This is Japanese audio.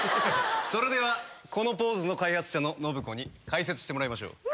それではこのポーズの開発者の信子に解説してもらいましょう。